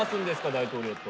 大統領と。